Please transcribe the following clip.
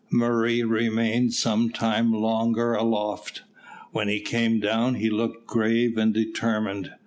Murray remained some time longer aloft. When he came down he looked grave and determined.